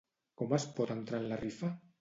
Com es pot entrar en la rifa?